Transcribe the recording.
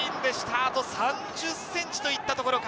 あと３０ｃｍといったところか。